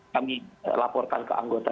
kami laporkan ke anggota